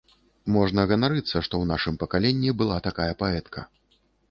Можна ганарыцца, што ў нашым пакаленні была такая паэтка.